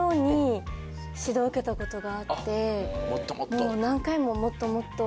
もう何回も「もっともっと！」とか。